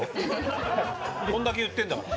こんだけ言ってんだから。